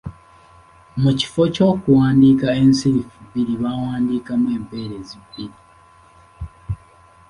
Mu kifo ky’okuwandiika ensirifu bbiri baawandiikamu empeerezi bbiri.